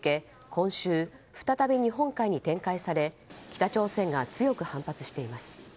今週、再び日本海に展開され北朝鮮が強く反発しています。